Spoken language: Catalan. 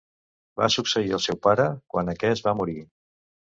Va succeir el seu pare quan aquest va morir.